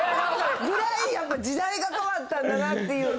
ぐらいやっぱ時代が変わったんだなってっていう。